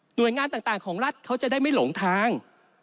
โดยงานต่างของรัฐเขาจะได้ไม่หลงทาง